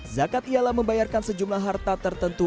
zakat ialah membayarkan sejumlah harta tertentu